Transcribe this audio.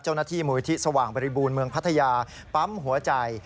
เจ้าหน้าที่มูลิธิสว่างบริบูรณ์เมืองพัทยาปั๊มหัวใจ